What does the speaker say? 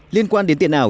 liên quan đến tiền ảo